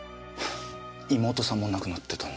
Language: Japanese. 妹さんも亡くなってたんだ。